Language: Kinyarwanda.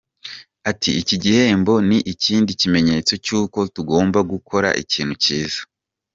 Ati: “Iki gihembo ni ikindi kimenyetso cy’uko tugomba gukora ikintu kiza.